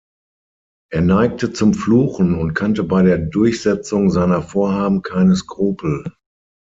Er neigte zum Fluchen und kannte bei der Durchsetzung seiner Vorhaben keine Skrupel.